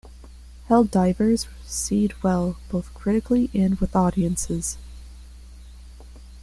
"Hell Divers" was received well both critically and with audiences.